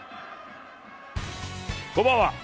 こんばんは。